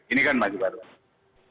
ini kan masih baru